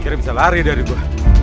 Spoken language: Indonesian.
kira bisa lari dari gue